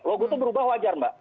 logo itu berubah wajar mbak